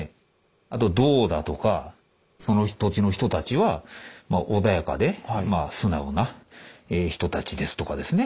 あと銅だとかその土地の人たちは穏やかで素直な人たちですとかですね